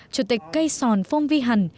chủ tịch cây sòn phong vi hẳn